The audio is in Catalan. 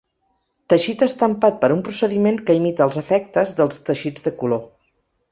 Teixit estampat per un procediment que imita els efectes dels teixits de color.